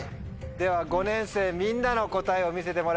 では５年生みんなの答えを見せてもらいましょう。